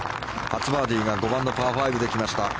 初バーディーが５番のパー５で来ました。